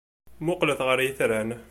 Mmuqqlet ɣer yitran.